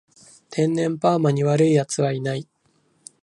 天然パーマに悪い奴はいない